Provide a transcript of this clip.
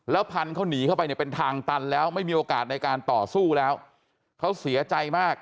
พันเขาหนีเข้าไปเนี่ยเป็นทางตันแล้วไม่มีโอกาสในการต่อสู้แล้วเขาเสียใจมาก